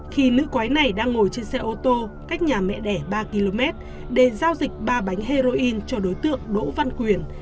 khi nữ quái này đang ngồi trên xe ô tô cách nhà mẹ đẻ ba km để giao dịch ba bánh heroin cho đối tượng đỗ văn quyền